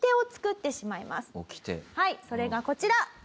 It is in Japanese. はいそれがこちら。